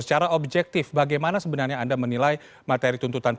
secara objektif bagaimana sebenarnya kita bisa mengatasi yang terjadi di dalam nota pembelaan kami